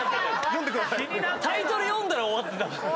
⁉タイトル読んだら終わってた。